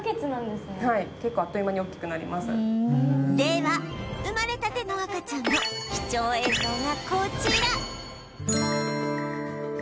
では生まれたての赤ちゃんの貴重映像がこちら